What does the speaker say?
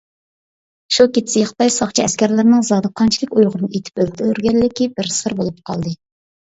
شۇ كېچىسى خىتاي ساقچى- ئەسكەرلىرىنىڭ زادى قانچىلىك ئۇيغۇرنى ئېتىپ ئۆلتۈرگەنلىكى بىر سىر بولۇپ قالدى.